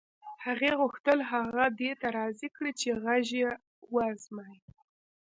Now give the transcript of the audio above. هغې غوښتل هغه دې ته راضي کړي چې غږ یې و ازمایي